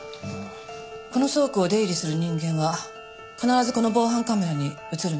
この倉庫を出入りする人間は必ずこの防犯カメラに映るんですよね？